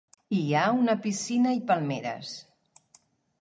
Hi ha una piscina i palmeres.